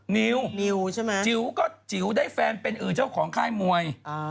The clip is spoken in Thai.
นิวจิ๋วก็จิ๋วได้แฟนเป็นอื่นเจ้าของค่ายมวย